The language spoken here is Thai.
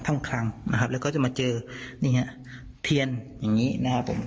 ่งคลังนะครับแล้วก็จะมาเจอนี่ฮะเทียนอย่างนี้นะครับผม